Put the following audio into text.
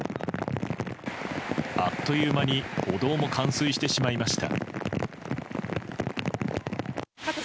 あっという間に歩道も冠水してしまいました。